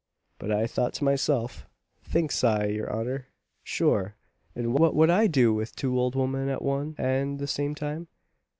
But I thought to myself, thinks I, your honour, sure and what would I do with two ould women at one and the same time?